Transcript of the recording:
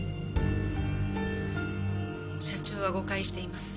社長は誤解しています。